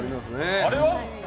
あれは？